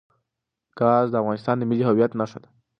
ګاز د افغانستان د ملي هویت نښه ده.